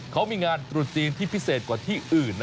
เขามีงานตรุษจีนที่พิเศษกว่าที่อื่น